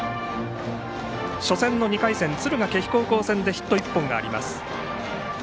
初戦の２回戦、敦賀気比高校戦でヒット１本があります。